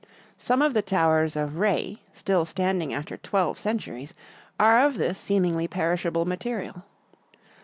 Some of the towers of Rhei, still standing after twelve centuries, are of this seemingly perishable material.